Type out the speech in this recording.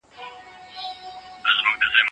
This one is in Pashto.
اته عددونه دي.